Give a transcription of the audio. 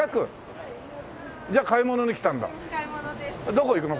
どこ行くの？